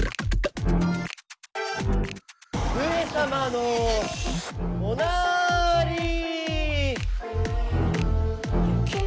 上様のおなーりー。